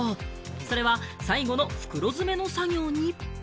それは最後の袋詰めの作業に。